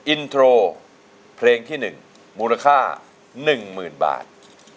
อินโทรเพลงที่๑มูลค่า๑๐๐๐บาท